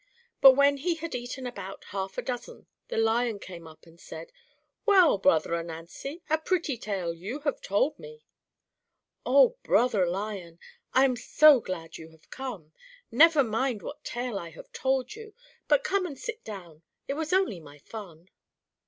But when he had eaten about half a dozen the Lion came up and said: "Well, brother Ananzi, a pretty tale you have told me." "Oh! brother Lion, I am so glad you have come; never mind what tale I have told you, but come and sit down it was only my fun."